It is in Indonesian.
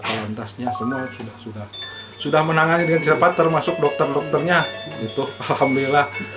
lantasnya semua sudah sudah menangani dengan siapa termasuk dokter dokternya itu alhamdulillah